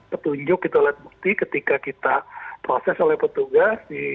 petunjuk gitu alat bukti ketika kita proses oleh petugas